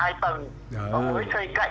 mới xoay cạnh